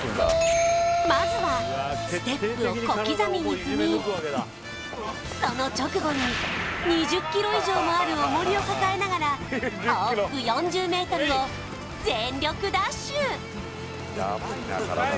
まずはステップを小刻みに踏みその直後に２０ｋｇ以上もあるおもりを抱えながら往復４０ｍを全力ダッシュ！